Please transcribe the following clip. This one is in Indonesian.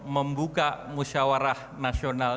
membuka musyawarah nasional